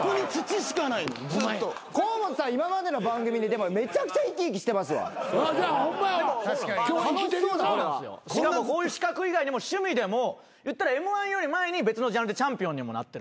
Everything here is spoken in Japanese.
しかもこういう資格以外にも趣味でもいったらＭ−１より前に別のジャンルでチャンピオンにもなってる。